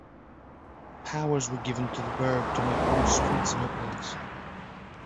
Powers were given to the burgh to make new streets and openings.